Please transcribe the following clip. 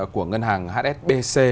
của ngân hàng hsbc